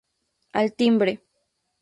Al timbre.